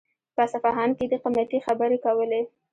په اصفهان کې يې د قيمتۍ خبرې کولې.